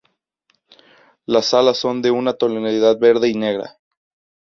Las alas son de una tonalidad verde y negra.